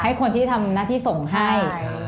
ให้คนที่ทำหน้าที่ส่งให้